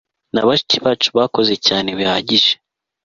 na bashiki bacu bakoze cyane bihagije